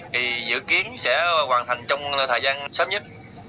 thì dự kiến sẽ hoàn thành trong thời gian sớm nhất